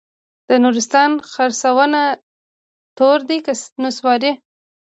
د نورستان خرسونه تور دي که نسواري؟